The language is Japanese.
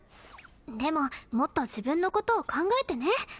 でももっと自分のことを考えてね